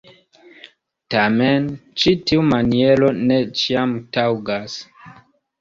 Tamen, ĉi tiu maniero ne ĉiam taŭgas.